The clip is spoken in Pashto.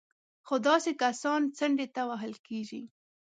خو داسې کسان څنډې ته وهل کېږي